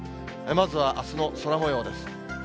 まずはあすの空もようです。